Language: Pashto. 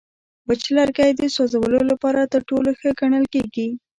وچ لرګی د سوځولو لپاره تر ټولو ښه ګڼل کېږي.